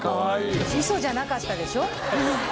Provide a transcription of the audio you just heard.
ウソじゃなかったでしょ？